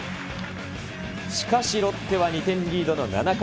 しかし、ロッテは２点リードの７回。